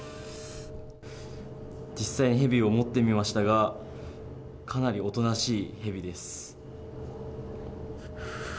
実際にヘビを持ってみましたが、かなりおとなしいヘビです。